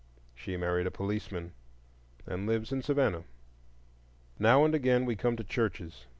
She married a policeman, and lives in Savannah. Now and again we come to churches.